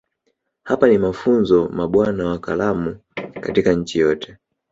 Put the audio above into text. Hapa ni mafunzo mabwana wa kalamu katika nchi yote